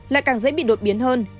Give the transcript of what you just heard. lại càng dễ bị đột biến hơn